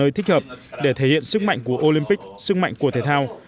nơi thích hợp để thể hiện sức mạnh của olympic sức mạnh của thể thao